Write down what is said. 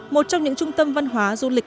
một trong những trung tâm văn hóa du lịch